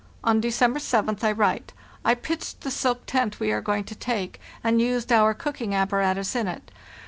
On December 7th I write: "I pitched the silk tent we are going to take, and used our cooking apparatus in it.